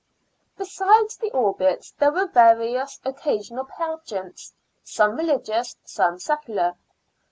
Besides the Obits, there were various occasional pageants, some religious, some secular.